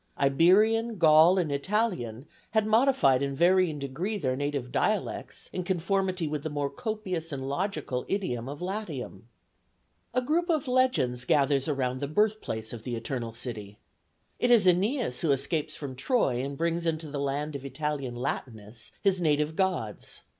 Iberian, Gaul, and Italian had modified in varying degree their native dialects in conformity with the more copious and logical idiom of Latium. A group of legends gathers round the birthplace of the Eternal City. It is Æneas who escapes from Troy and brings into the land of Italian Latinus his native gods.